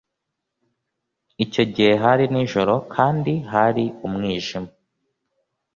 icyo gihe hari nijoro kandi hari umwijima